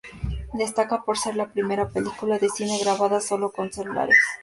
Destaca por ser la primera película de cine grabada solo con celulares.